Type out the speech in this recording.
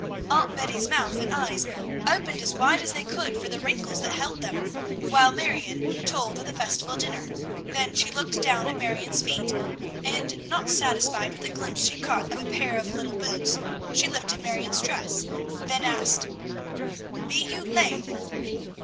Aunt Betty's mouth and eyes opened as wide as they could for the wrinkles that held them while Marion told of the festival dinner, then she looked down at Marion's feet, and, not satisfied with the glimpse she caught of a pair of little boots, she lifted Marion's dress, then asked, "Be you lame?"